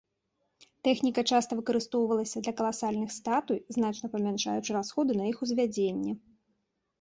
Тэхніка часта выкарыстоўвалася для каласальных статуй, значна памяншаючы расходы на іх узвядзенне.